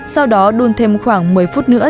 sau đó đun thêm khoảng một mươi phút nữa